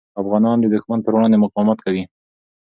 افغانان د دښمن پر وړاندې مقاومت کوي.